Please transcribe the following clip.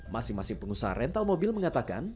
masing masing pengusaha rental mobil mengatakan